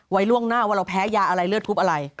ล่วงหน้าว่าเราแพ้ยาอะไรเลือดคุบอะไร